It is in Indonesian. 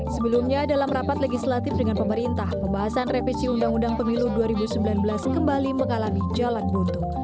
sebelumnya dalam rapat legislatif dengan pemerintah pembahasan revisi undang undang pemilu dua ribu sembilan belas kembali mengalami jalan buntu